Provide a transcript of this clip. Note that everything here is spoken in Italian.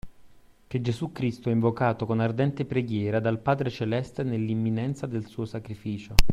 Che Gesù Cristo ha invocato con ardente preghiera dal Padre celeste nell’imminenza del suo sacrificio.